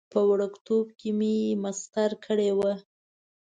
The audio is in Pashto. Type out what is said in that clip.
په وړکتوب کې مې مسطر کړي ول.